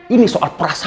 ini soal perasaan